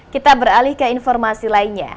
kita beralih ke informasi lainnya